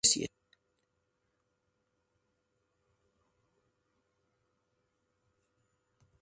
No se reconocen subespecies.